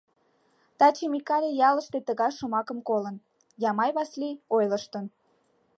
Таче Микале ялыште тыгай шомакым колын: Ямай Васли ойлыштын.